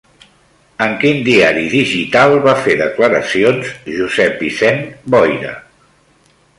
En quin diari digital va fer declaracions Josep Vicent Boira?